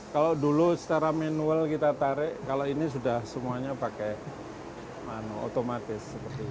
kalau dulu secara manual kita tarik kalau ini sudah semuanya pakai otomatis